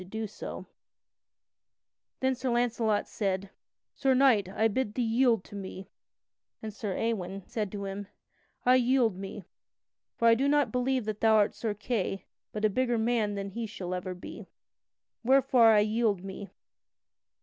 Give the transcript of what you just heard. [Sidenote: Sir Ewain yields to Sir Launcelot] Then Sir Launcelot said: "Sir Knight, I bid thee yield to me." And Sir Ewain said: "I yield me. For I do not believe that thou art Sir Kay but a bigger man than he shall ever be. Wherefore I yield me."